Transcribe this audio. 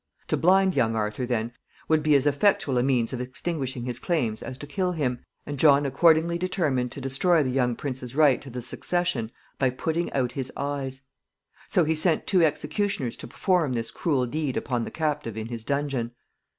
To blind young Arthur, then, would be as effectual a means of extinguishing his claims as to kill him, and John accordingly determined to destroy the young prince's right to the succession by putting out his eyes; so he sent two executioners to perform this cruel deed upon the captive in his dungeon.